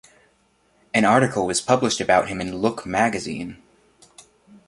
An article was published about him in "Look" magazine.